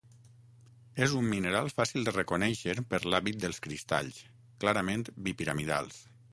És un mineral fàcil de reconèixer per l'hàbit dels cristalls, clarament bipiramidals.